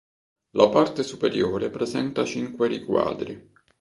La parte superiore presenta cinque riquadri.